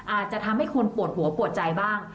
อาจจะทำให้คนปวดหัวปวดใจบ้าง